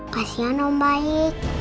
kasian om bayi